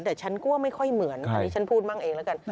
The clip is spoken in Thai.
แต่ฉันกลัวไม่ค่อยเหมือนอันนี้ฉันพูดมั่งเองแล้วกัน